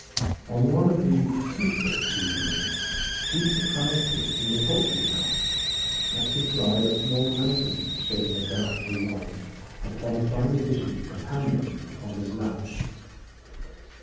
On one of these "secret" evenings she surprised him in the poultry house, at his side a small lantern shedding a doubtful light upon a fine edition of "Hamlet" on his lap.